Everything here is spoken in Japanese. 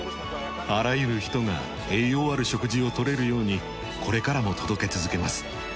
あらゆる人が栄養ある食事を取れるようにこれからも届け続けます。